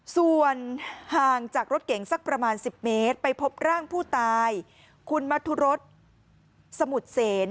ส่วนห่างจากรถเก๋งสักประมาณ๑๐เมตรไปพบร่างผู้ตายคุณมัธุรสสมุทรเสน